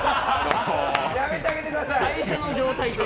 やめてあげてください！